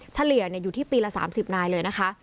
เฉลี่ยอยู่ที่ปีละ๓๐นายเลยนะคะ